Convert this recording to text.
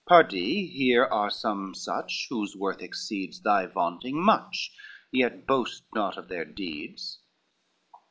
Pardie here are some such, whose worth exceeds Thy vaunting much yet boast not of their deeds."